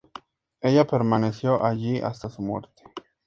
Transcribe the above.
Ella permaneció allí hasta su muerte.